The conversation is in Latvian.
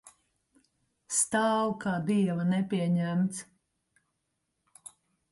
Stāv kā dieva nepieņemts.